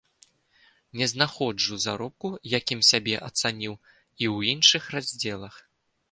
Не знаходжу заробку, якім сябе ацаніў, і ў іншых раздзелах.